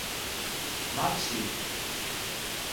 Макси.